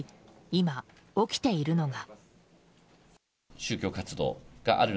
今、起きているのが。